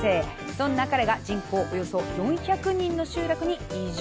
そんな彼が人口およそ４００人の集落に移住。